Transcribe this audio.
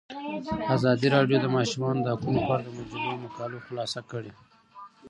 ازادي راډیو د د ماشومانو حقونه په اړه د مجلو مقالو خلاصه کړې.